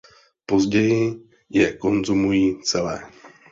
Později je konzumují celé.